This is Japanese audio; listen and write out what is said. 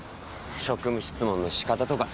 職務質問の仕方とかさ。